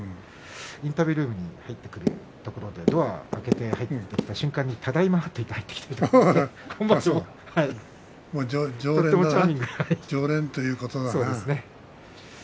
インタビュールームに入ってくるところでドアを開けて入ってきた瞬間にただいまと言って入ってきました。